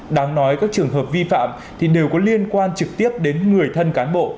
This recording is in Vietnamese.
đáng nói các trường hợp vi phạm thì đều có liên quan trực tiếp đến người thân cán bộ